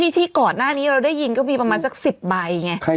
ที่ก่อนหน้านี้เราได้ยินก็มีประมาณสัก๑๐ใบไง